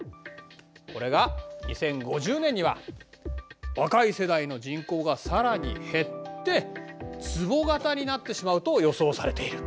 これが２０５０年には若い世代の人口がさらに減ってつぼ型になってしまうと予想されている。